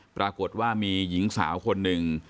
ปรากฏว่ามีหญิงสาวคนหนึ่ง